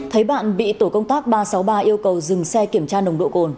thấy bạn bị tổ công tác ba trăm sáu mươi ba yêu cầu dừng xe kiểm tra nồng độ cồn